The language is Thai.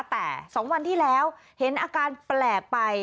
แต่๒วันที่แล้วเห็นอาการแปลกไป